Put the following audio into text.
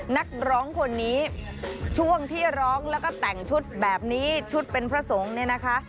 นักร้องคนนี้ช่วงที่ร้องแล้วก็แต่งชุดแบบนี้ชุดเป็นพระสงฆ์เนี่ยนะคะ